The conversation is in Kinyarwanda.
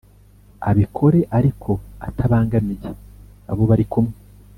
abikore ariko atabangamiye abo barikumwe